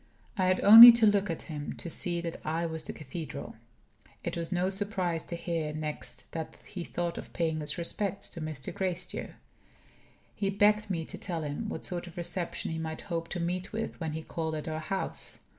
I had only to look at him to see that I was the cathedral. It was no surprise to hear next that he thought of "paying his respects to Mr. Gracedieu." He begged me to tell him what sort of reception he might hope to meet with when he called at our house.